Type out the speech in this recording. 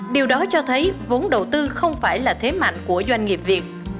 điều đó cho thấy vốn đầu tư không phải là thế mạnh của doanh nghiệp việt